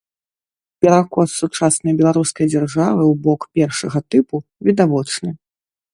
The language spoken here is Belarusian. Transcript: Перакос сучаснай беларускай дзяржавы ў бок першага тыпу відавочны.